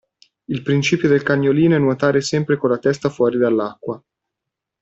Il principio del cagnolino è nuotare sempre con la testa fuori dall'acqua.